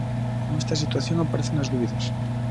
Con esta situación aparecen as dúbidas.